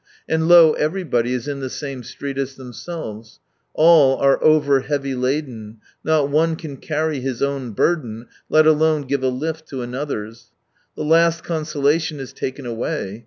And lo, every body is in the same street as themselves. All are over heavy laden, not one can carry his own burden, let alone give a lift to another's. The last consolation is taken away.